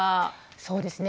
そうですね。